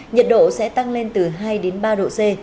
nhiệt độ sẽ tăng lên từ hai đến ba độ c